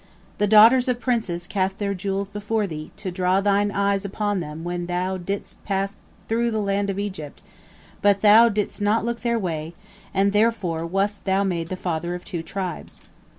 The daughters of princes cast their jewels before thee, to draw thine eyes upon them when thou didst pass through the land of Egypt, but thou didst not look their way, and therefore wast thou made the father of two tribes.